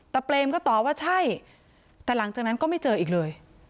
เปรมก็ตอบว่าใช่แต่หลังจากนั้นก็ไม่เจออีกเลย